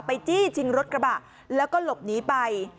จี้ชิงรถกระบะแล้วก็หลบหนีไป